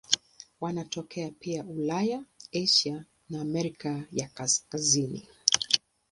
Wanatokea pia Ulaya, Asia na Amerika ya Kaskazini.